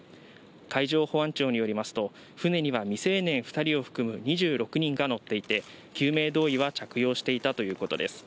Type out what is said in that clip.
海上保安庁によりますと、船には未成年２人を含む２６人らが乗っていて、救命胴衣は着用していたということです。